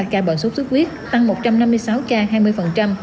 chín trăm bốn mươi ba ca bệnh sốt sốt huyết tăng một trăm năm mươi sáu ca hai mươi